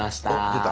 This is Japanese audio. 出た。